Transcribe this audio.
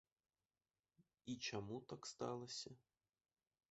І чаму так сталася?